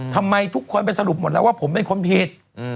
ทำไมทุกคนไปสรุปหมดแล้วว่าผมเป็นคนผิด